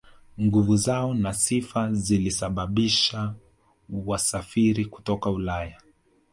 Nguvu zao na sifa zilisababisha wasafiri kutoka Ulaya